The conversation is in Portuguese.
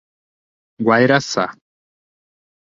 Guairaçá